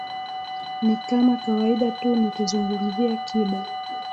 ni kama kawaida tu nikizungumzia kiba